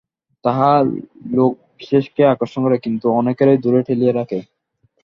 তাহা লোকবিশেষকে আকর্ষণ করে, কিন্তু অনেককেই দূরে ঠেলিয়া রাখে।